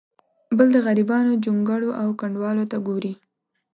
بل د غریبانو جونګړو او کنډوالو ته ګوري.